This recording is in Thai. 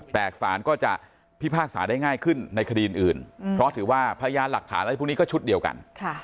แต่สารก็จะพิพากษาได้ง่ายขึ้นในคดีอื่นเพราะถือว่าพยานหลักฐานอะไรพวกนี้ก็ชุดเดียวกัน